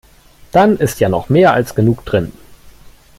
Dann ist ja noch mehr als genug drin.